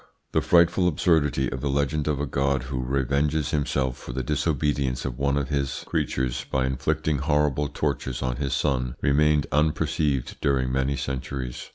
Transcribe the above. The frightful absurdity of the legend of a God who revenges himself for the disobedience of one of his creatures by inflicting horrible tortures on his son remained unperceived during many centuries.